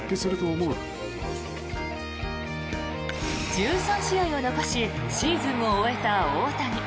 １３試合を残しシーズンを終えた大谷。